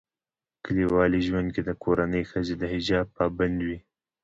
کلیوالي ژوندکي دکورنۍښځي دحجاب پابند وي